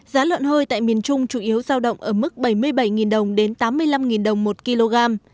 giá lợn hơi tại miền trung chủ yếu giao động ở mức bảy mươi bảy đồng đến tám mươi năm đồng một kg